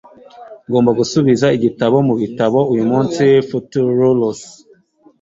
ngomba gusubiza igitabo mubitabo uyumunsi futurulus